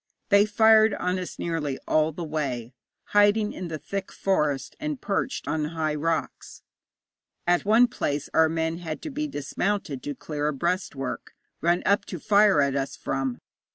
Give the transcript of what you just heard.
They fired on us nearly all the way, hiding in the thick forest, and perched on high rocks. At one place our men had to be dismounted to clear a breastwork, run up to fire at us from.